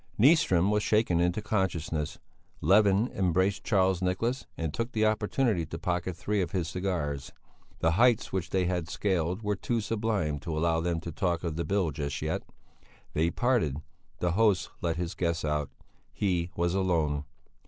Nyström was shaken into consciousness; Levin embraced Charles Nicholas and took the opportunity to pocket three of his cigars. The heights which they had scaled were too sublime to allow them to talk of the bill just yet. They parted the host let his guests out he was alone!